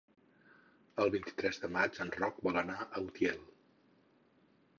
El vint-i-tres de maig en Roc vol anar a Utiel.